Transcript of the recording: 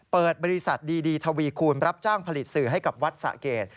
เปิดบริษัทดีทวีคูณรับจ้างผลิตสื่อให้กับวัดสะเกด